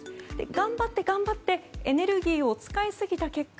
頑張って頑張ってエネルギーを使いすぎた結果